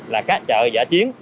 là các chợ giả chiến